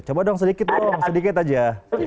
coba dong sedikit dong sedikit aja